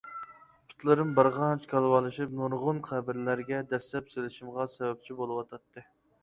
پۇتلىرىم بارغانچە كالۋالىشىپ نۇرغۇن قەبرىلەرگە دەسسەپ سېلىشىمغا سەۋەبچى بولۇۋاتاتتى.